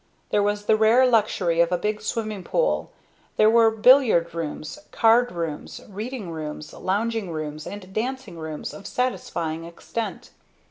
There was the rare luxury of a big swimming pool; there were billiard rooms, card rooms, reading rooms, lounging rooms and dancing rooms of satisfying extent.